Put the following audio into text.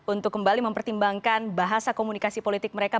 untuk kembali mempertimbangkan bahasa komunikasi politik mereka